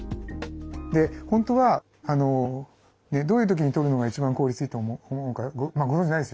本当はどういう時にとるのが一番効率いいと思うかご存じないですよね。